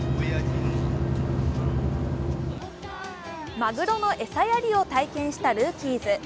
まぐろの餌やりを体験したルーキーズ。